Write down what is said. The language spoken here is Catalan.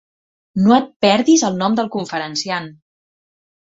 No et perdis el nom del conferenciant.